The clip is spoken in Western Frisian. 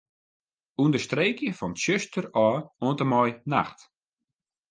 Understreekje fan 'tsjuster' ôf oant en mei 'nacht'.